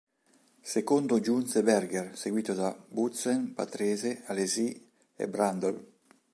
Secondo giunse Berger, seguito da Boutsen, Patrese, Alesi e Brundle.